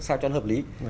sao cho nó hợp lý